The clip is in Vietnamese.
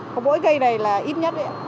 còn mỗi cây này là ít nhất